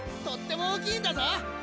とっても大きいんだぜ！